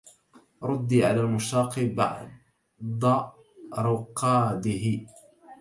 ردي على المشتاق بعض رقاده